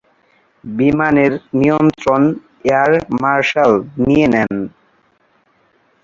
বিমানের নিয়ন্ত্রণ air marshal নিয়ে নেন।